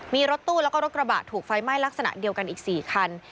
มีรถตู้แล้วก็รถกระบะถูกไฟไหม้ลักษณะเดียวกันอีก๔คัน